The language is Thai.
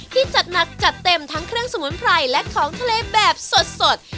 จัดหนักจัดเต็มทั้งเครื่องสมุนไพรและของทะเลแบบสด